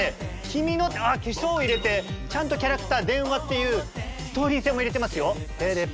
「キミの」あっ化粧を入れてちゃんとキャラクター電話っていうストーリー性も入れてますよ。